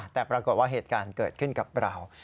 แต่ปรากฏว่าเหตุการณ์เกิดขึ้นกับเรา